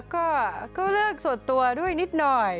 ก็เลือกส่วนตัวด้วยนิดหน่อย